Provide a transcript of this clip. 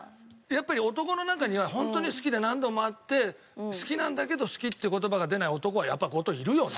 やっぱり男の中にはホントに好きで何度も会って好きなんだけど好きっていう言葉が出ない男はやっぱ後藤いるよな？